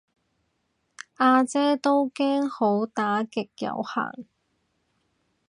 呀姐都驚好打極有限